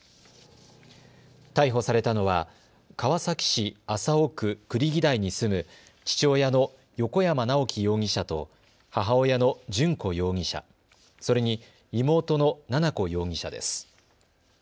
逮捕されたのは川崎市麻生区栗木台に住む父親の横山直樹容疑者と母親の順子容疑者、それに妹の奈々子容疑者です。